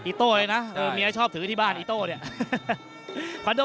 โต้เลยนะเมียชอบถือที่บ้านอีโต้เนี่ยคอนโด